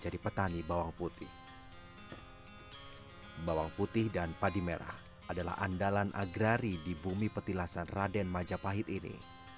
dan padi merah adalah andalan agrari di bumi petilasan raden majapahit ini